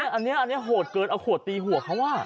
อันนี้โหดเกินเอาขวดตีหัวเขา